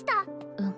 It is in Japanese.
うん